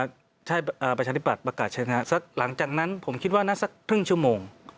คือใช่ประชาธิบัตรประกาศชัยชนะหลังจากนั้นผมคิดว่านั้นสักครึ่งชั่วโมง